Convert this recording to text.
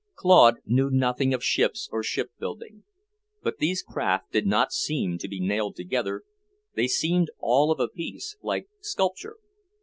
Claude knew nothing of ships or shipbuilding, but these craft did not seem to be nailed together, they seemed all of a piece, like sculpture.